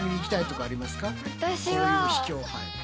こういう秘境。